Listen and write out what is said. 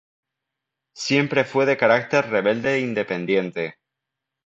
Siempre fue de carácter rebelde e independiente.